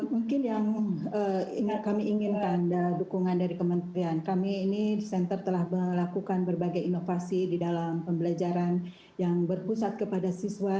mungkin yang kami inginkan dukungan dari kementerian kami ini center telah melakukan berbagai inovasi di dalam pembelajaran yang berpusat kepada siswa